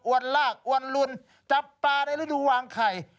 ลากอวนลุนจับปลาในฤดูวางไข่